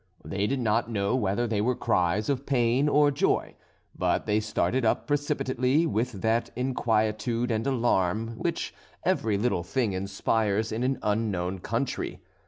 They did not know whether they were cries of pain or joy; but they started up precipitately with that inquietude and alarm which every little thing inspires in an unknown country.